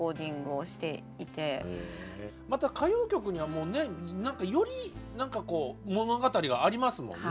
また歌謡曲にはより何かこう物語がありますもんね